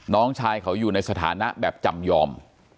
น้องชายเขาอยู่ในสถานะแบบจำยอม